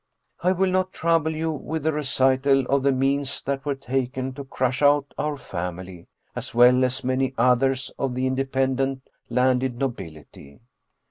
" I will not trouble you with a recital of the means that were taken to crush out our family, as well as many others of the independent landed nobility.